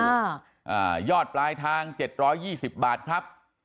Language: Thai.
อ่าอ่ายอดปลายทางเจ็ดร้อยยี่สิบบาทครับ